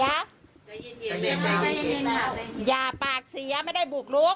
อย่าปากเสียไม่ได้บุกลุก